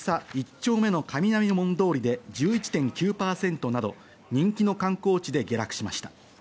丁目の雷門通りで１１．９％など、人気の観光地で下落しました。